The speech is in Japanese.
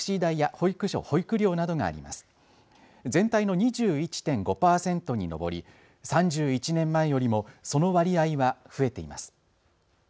全体の２１．５％に上り３１年前よりもその割合は増えています。